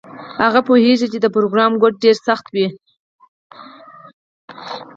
هغه پوهیږي چې د پروګرام کوډ ډیر سخت وي